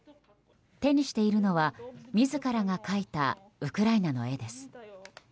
手にしているのは自らが描いたウクライナの絵です。